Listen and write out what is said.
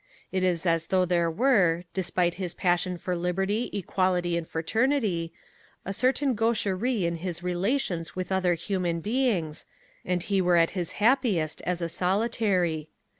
It is as though there were, despite his passion for liberty, equality, and fraternity, a certain gaucherie in his relations with other human beings, and he were at his happiest as a solitary.